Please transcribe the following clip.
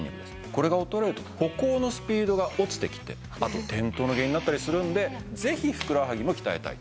これが衰えると歩行のスピードが落ちてきてあと転倒の原因になったりするんでぜひふくらはぎも鍛えたいと。